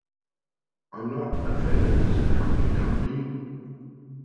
‘I’m not offended,’ said Humpty Dumpty.